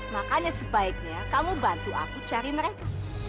makanya sebaiknya kamu bantu aku cari mereka